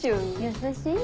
優しい。